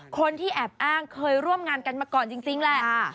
คนที่แอบอ้างเคยร่วมงานกันมาก่อนจริงแหละ